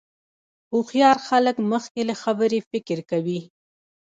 هوښیار خلک مخکې له خبرې فکر کوي.